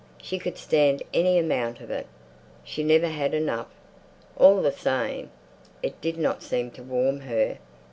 She could stand any amount of it; she never had enough. All the same, it did not seem to warm her.